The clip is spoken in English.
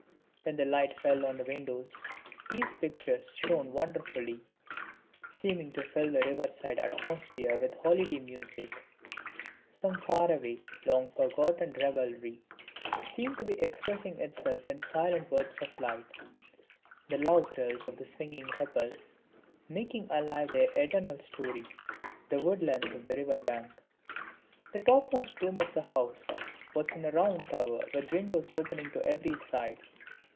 When the light fell on the windows, these pictures shone wonderfully, seeming to fill the river side atmosphere with holiday music. Some far away long forgotten revelry seemed to be expressing itself in silent words of light; the love thrills of the swinging couple making alive with their eternal story the woodlands of the river bank. The topmost room of the house was in a round tower with windows opening to every side.